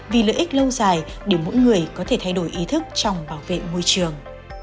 vì lợi ích lâu dài để mỗi người có thể thay đổi ý thức trong bảo vệ môi trường